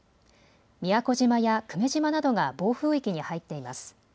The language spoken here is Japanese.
宮古島や久米島などが暴風域に入っています。